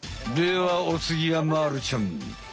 ではおつぎはまるちゃん！